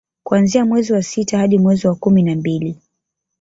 kuanzia mwezi wa sita hadi mwezi wa kumi na mbili